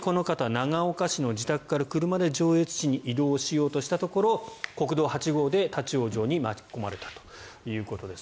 長岡市の自宅から車で上越市に移動しようとしたところ国道８号で立ち往生に巻き込まれたということです。